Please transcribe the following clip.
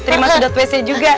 terima sedot wc juga